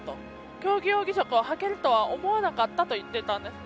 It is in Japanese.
競技用義足をはけるとは思わなかったと言っていたんです。